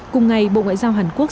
cùng ngày bộ ngoại giao hàn quốc